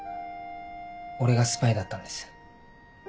俺がスパイだったんです。